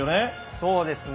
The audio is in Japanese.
そうですね。